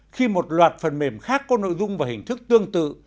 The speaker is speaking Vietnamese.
khi một loạt phần mềm khác có nội dung và hình thức tương tự